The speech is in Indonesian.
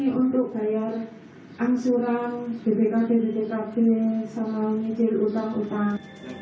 ini untuk bayar angsuran bpkb bpkb sama ngecil utang utang